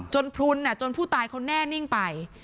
พลุนจนผู้ตายเขาแน่นิ่งไป